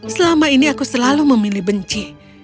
selama ini aku selalu memilih benci